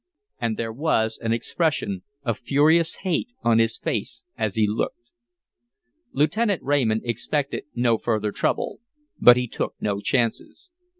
And there was an expression of furious hate on his face as he looked. Lieutenant Raymond expected no further trouble; but he took no chances.